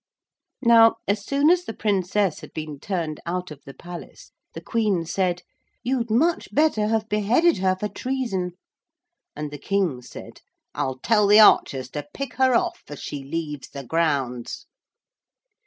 Now as soon as the Princess had been turned out of the palace, the Queen said, 'You'd much better have beheaded her for treason.' And the King said, 'I'll tell the archers to pick her off as she leaves the grounds.'